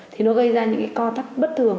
thì nó gây ra những co tắc bất thường